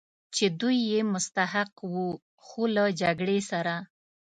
چې دوی یې مستحق و، خو له جګړې سره.